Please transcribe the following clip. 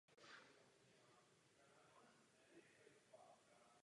Je to live album.